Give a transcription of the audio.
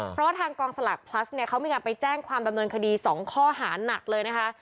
เพราะทางกองสลักพลัสเนี่ยเขามีการไปแจ้งความดำเนินคดี๒ข้อหานักเลยนะคะ